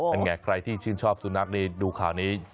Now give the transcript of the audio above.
เป็นไงใครที่ชื่นชอบสุนัขนี่ดูข่าวนี้